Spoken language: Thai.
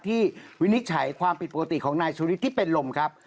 วินิจฉัยความผิดปกติของนายชูฤทธิที่เป็นลมครับ